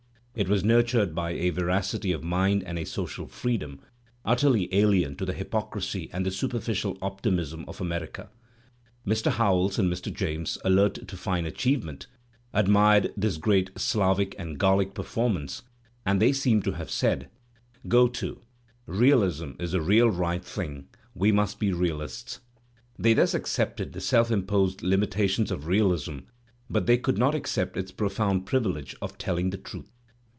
It was nurtured by a veracity of mind and a I « social freedom, utterly alien to the hypocrisy and the super ficial optimism of America. Mr. Howells and Mr. James, j alert to fine achievement, admired this great Slavic and " Gallic performance and they seem to have said: "Gro to! realism is the real right thing; we will be realists.'* They thus accepted the self imposed limitations of realism, but they could not accept its profoimd privilege of telling the truth.